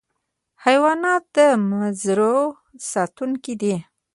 حیوانات د مزرعو ساتونکي دي.